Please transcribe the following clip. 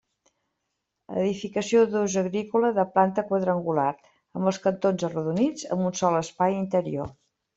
Edificació d'ús agrícola de planta quadrangular, amb els cantons arrodonits, amb un sol espai interior.